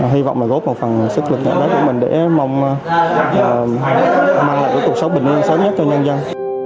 hy vọng là góp một phần sức lực mạnh mẽ của mình để mong mang lại cuộc sống bình yên sớm nhất cho nhân dân